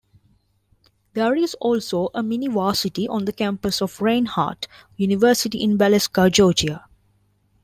There is also a mini-Varsity on the campus of Reinhardt University in Waleska, Georgia.